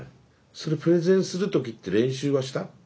それプレゼンする時って練習はした？